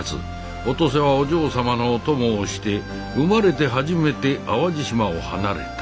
お登勢はお嬢様のお供をして生まれて初めて淡路島を離れた。